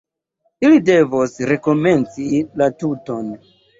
Ili devos rekomenci la tuton.